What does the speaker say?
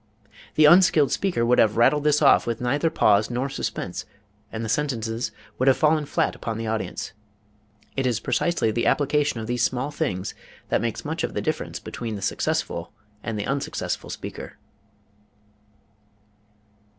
The unskilled speaker would have rattled this off with neither pause nor suspense, and the sentences would have fallen flat upon the audience. It is precisely the application of these small things that makes much of the difference between the successful and the unsuccessful speaker.